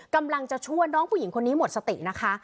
กำลังจะช่วยน้องผู้หญิงคนนี้หมดสตินะคะ